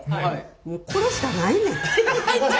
もうこれしかないねん。